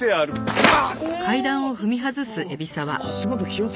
うわっ！